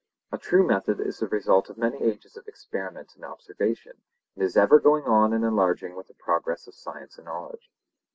A true method is the result of many ages of experiment and observation, and is ever going on and enlarging with the progress of science and knowledge.